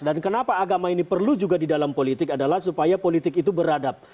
dan kenapa agama ini perlu juga di dalam politik adalah supaya politik itu beradab